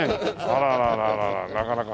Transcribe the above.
あらあらあらなかなか。